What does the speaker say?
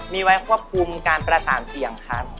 มีไว้ควบคุมการประสานเสียงครับ